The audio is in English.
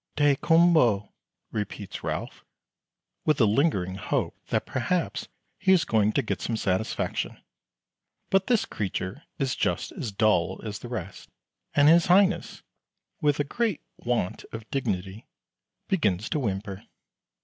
"Daykumboa," repeats Ralph, with a lingering hope that perhaps he is going to get some satisfaction; but this creature is just as dull as the rest, and his Highness, with great want of dignity, begins to whimper.